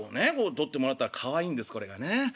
撮ってもらったらかわいいんですこれがねええ。